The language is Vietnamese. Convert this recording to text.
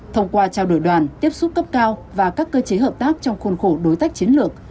thông qua trao đổi đoàn tiếp xúc cấp cao và các cơ chế hợp tác trong khuôn khổ đối tác chiến lược